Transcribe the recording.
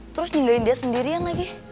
terus nyunggahin dia sendirian lagi